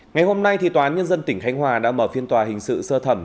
ngày hôm nay thì toán nhân dân tỉnh khánh hòa đã mở phiên tòa hình sự sơ thẩm